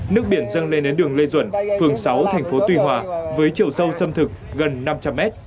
nước biển dân lên đến đường lê duẩn phương sáu tp tuy hòa với triều sâu xâm thực gần năm trăm linh m